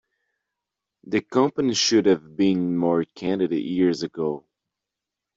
The company should have been more candid years ago.